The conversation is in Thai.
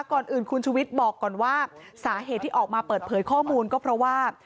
ก่อนอื่นคุณชุวิตบอกก่อนว่าสาเหตุที่ออกมาเปิดเผยข้อมูลก็เพราะว่า